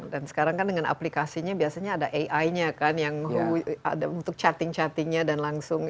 dan sekarang kan dengan aplikasinya biasanya ada ai nya kan yang untuk chatting chattingnya dan langsung